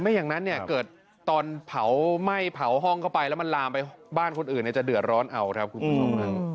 ไม่อย่างนั้นเนี่ยเกิดคุณร้ายเผาเม่ยเผาห้องเข้าไปแล้วมันลามไปบ้านคนอื่นเนี่ยจะเผื่อร้อนเอาใช่ไหมครับ